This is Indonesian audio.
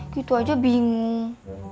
gitu aja bingung